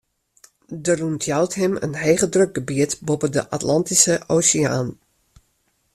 Der ûntjout him in hegedrukgebiet boppe de Atlantyske Oseaan.